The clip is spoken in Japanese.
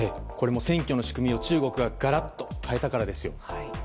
選挙の仕組みを中国がガラッと変えたからです。